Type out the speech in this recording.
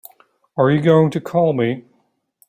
Are you going to call me?